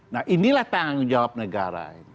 nah inilah tanggung jawab negara